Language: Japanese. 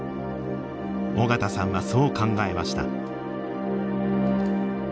尾形さんはそう考えました。